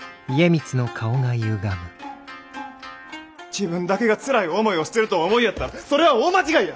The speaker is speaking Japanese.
自分だけがつらい思いをしてるとお思いやったらそれは大間違いや！